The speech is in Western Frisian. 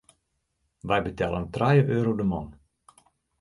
Wy betellen trije euro de man.